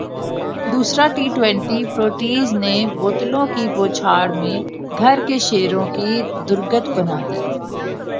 دوسرا T twenty Proteas نے بوتلوں کی بوچھاڑمیں گھر کے شیروں کی درگت بنادی